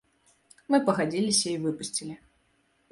Мы пагадзіліся і выпусцілі.